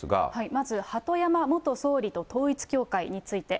まず鳩山元総理と統一教会について。